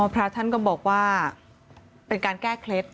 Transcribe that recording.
พระท่านก็บอกว่าเป็นการแก้เคล็ด